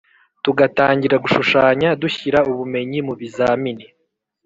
tugatangira gushushanya dushyira ubumenyi mubizamini